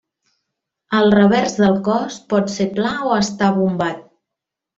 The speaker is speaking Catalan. El revers del cos pot ser pla o estar bombat.